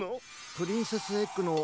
プリンセスエッグの。